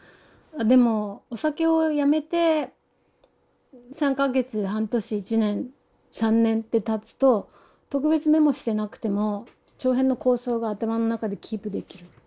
でもお酒をやめて３か月半年１年３年ってたつと特別メモしてなくても長編の構想が頭の中でキープできる。